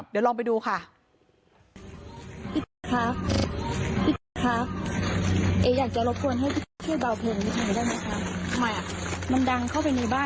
เดี๋ยวลองไปดูค่ะ